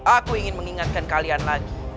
aku ingin mengingatkan kalian lagi